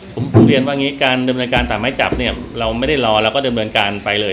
ผมเรียนว่างี้การดำเนินการตามไม้จับเนี่ยเราไม่ได้รอเราก็ดำเนินการไปเลย